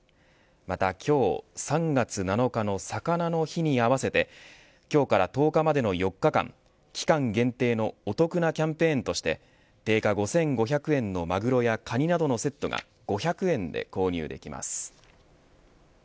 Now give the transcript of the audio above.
また今日、３月７日の魚の日に合わせて今日から１０日までの４日間期間限定のお得なキャンペーンとして定価５５００円のマグロやカニなどのセットが５００円で購入できます。